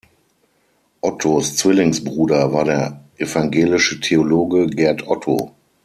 Ottos Zwillingsbruder war der evangelische Theologe Gert Otto.